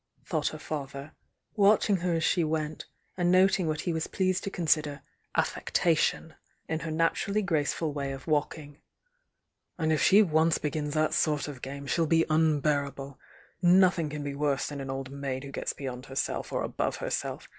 thought her fa ther, watching her as she went, and noting what he was pleased to consider "affectation" in her natur ally graceful way of walking. "And if she once begins that sort of game, she'll be unbearable! Noth ing can be worse than an old maid who gets beyond herself or above herself!